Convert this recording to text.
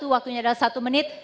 waktunya adalah satu menit